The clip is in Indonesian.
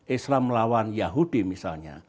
islam lawan yahudi misalnya